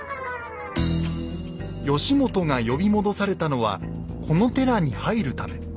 義元が呼び戻されたのはこの寺に入るため。